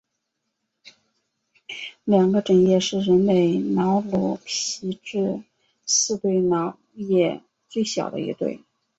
两个枕叶是人类脑颅皮质四对脑叶最小的一对。